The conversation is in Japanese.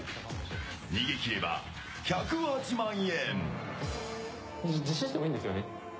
逃げ切れば、１０８万円。